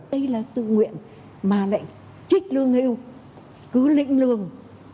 đây là tự nguyện mà lại trích lương hưu cứ lĩnh lương